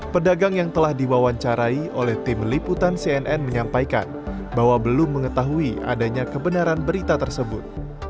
pedagang yang telah diwawancarai oleh tim liputan cnn menyampaikan bahwa belum mengetahui adanya kebenaran berita tersebut